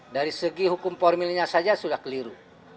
dari segi hukum formilnya saja sudah keliru